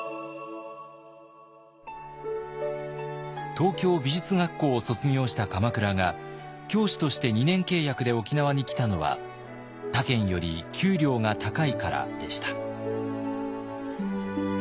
東京美術学校を卒業した鎌倉が教師として２年契約で沖縄に来たのは他県より給料が高いからでした。